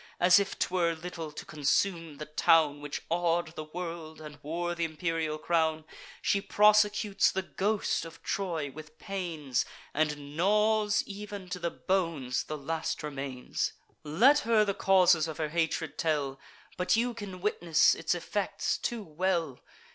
As if 'twere little to consume the town Which aw'd the world, and wore th' imperial crown, She prosecutes the ghost of Troy with pains, And gnaws, ev'n to the bones, the last remains. Let her the causes of her hatred tell; But you can witness its effects too well.